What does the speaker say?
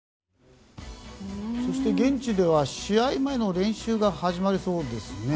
そして現地では試合前の練習が始まりそうですね。